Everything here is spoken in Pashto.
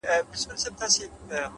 پرمختګ له ننني اقدام راټوکېږي’